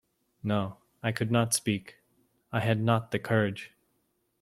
No, I could not speak; I had not the courage.